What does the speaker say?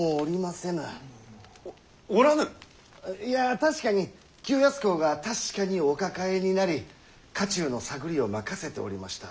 確かに清康公が確かにお抱えになり家中の探りを任せておりました。